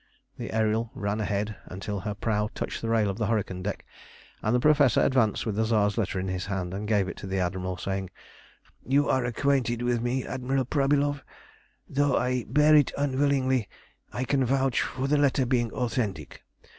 The Ariel ran ahead until her prow touched the rail of the hurricane deck, and the Professor advanced with the Tsar's letter in his hand, and gave it to the Admiral, saying "You are acquainted with me, Admiral Prabylov. Though I bear it unwillingly, I can vouch for the letter being authentic.